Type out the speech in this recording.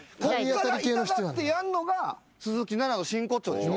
痛がってやんのが鈴木奈々の真骨頂でしょ。